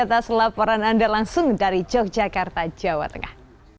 atas laporan anda langsung dari yogyakarta jawa tengah